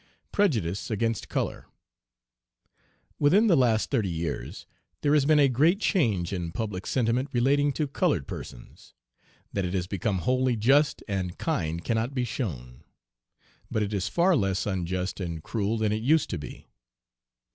PREJUDICE AGAINST COLOR. Within the last thirty years there has been a great change in public sentiment relating to colored persons. That it has become wholly just and kind cannot be shown; but it is far less unjust and cruel than it used to be.